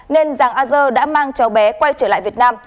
nên giang a giơ đã mang cháu bé quay trở lại việt nam